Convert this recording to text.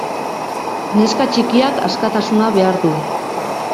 Neska txikiak askatasuna behar du.